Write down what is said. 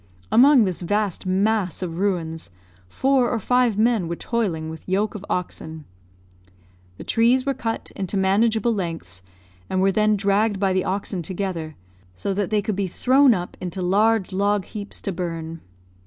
Among this vast mass of ruins, four or five men were toiling with yoke of oxen. The trees were cut into manageable lengths, and were then dragged by the oxen together, so that they could be thrown up into large log heaps to burn.